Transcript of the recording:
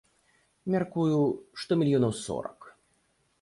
Мяркую, што мільёнаў сорак.